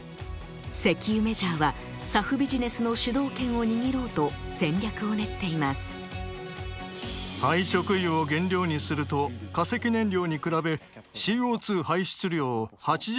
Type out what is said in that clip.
石油メジャーはＳＡＦビジネスの主導権を握ろうと戦略を練っています。